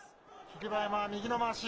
霧馬山は右のまわし。